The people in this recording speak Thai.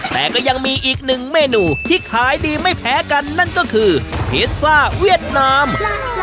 แต่ก็ยังมีอีกหนึ่งเมนูที่ขายดีไม่แพ้กันนั่นก็คือพิซซ่าเวียดนาม